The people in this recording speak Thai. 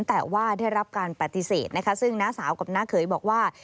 แต่ว่าได้รับการปฏิเสธนะคะซึ่งน้าสาวกับน้าเขยบอกว่า